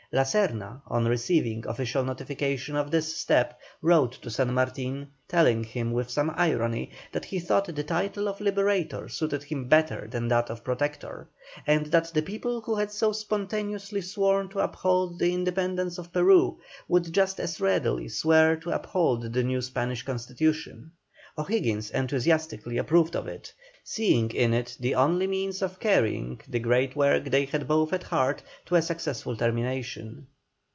La Serna, on receiving official notification of this step, wrote to San Martin, telling him with some irony that he thought the title of Liberator suited him better than that of Protector, and that the people who had so spontaneously sworn to uphold the independence of Peru, would just as readily swear to uphold the new Spanish constitution. O'Higgins enthusiastically approved of it, seeing in it the only means of carrying the great work they had both at heart to a successful termination.